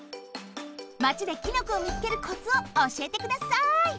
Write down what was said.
マチできのこをみつけるコツをおしえてください。